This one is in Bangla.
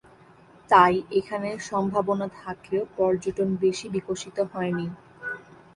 তাই এখানে সম্ভাবনা থাকলেও পর্যটন বেশি বিকশিত হয়নি।